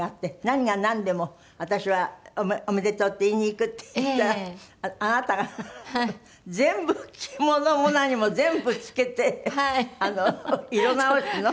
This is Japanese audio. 何がなんでも私は「おめでとう」って言いに行く行ったらあなたが全部着物も何も全部着けて色直しの。